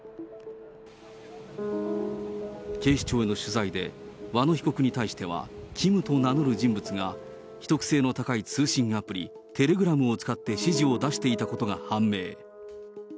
警視庁への取材で、和野被告に対しては、ＫＩＭと名乗る人物が秘匿性の高い通信アプリ、テレグラムを使って指示を出していたことが判明。